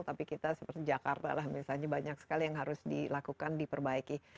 tapi kita seperti jakarta lah misalnya banyak sekali yang harus dilakukan diperbaiki